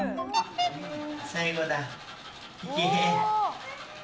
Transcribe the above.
最後だ！